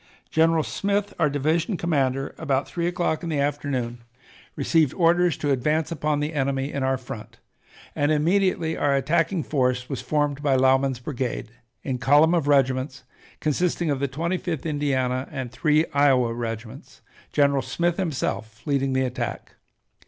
General Smith, our division commander, about three o'clock in the afternoon received orders to advance upon the enemy in our front, and immediately our attacking force was formed by Lauman's brigade, in column of regiments, consisting of the Twenty fifth Indiana, and three Iowa regiments, General Smith himself leading the attack.